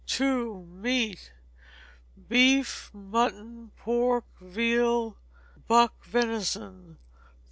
ii. Meat. Beef, mutton, pork, veal, buck venison.